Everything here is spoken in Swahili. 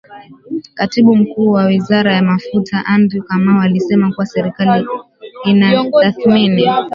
Katibu Mkuu wa Wizara ya Mafuta Andrew Kamau alisema kuwa serikali inatathmini